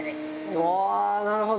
あー、なるほど。